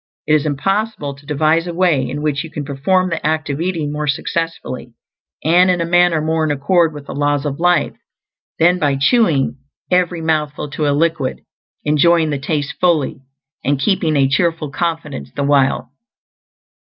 It is impossible to devise a way in which you can perform the act of eating more successfully, and in a manner more in accord with the laws of life, than by chewing every mouthful to a liquid, enjoying the taste fully, and keeping a cheerful confidence the while.